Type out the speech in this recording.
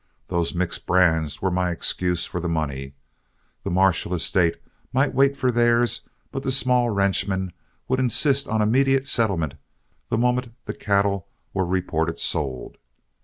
Those mixed brands were my excuse for the money; the Marshall estate might wait for theirs, but the small ranchmen would insist on an immediate settlement the moment the cattle were reported sold.